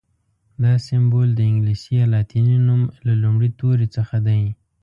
دا سمبول د انګلیسي یا لاتیني نوم له لومړي توري څخه دی.